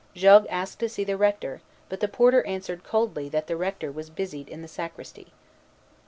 Jogues asked to see the Rector; but the porter answered, coldly, that the Rector was busied in the Sacristy.